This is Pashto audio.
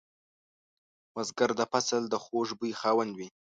بزګر د فصل د خوږ بوی خاوند وي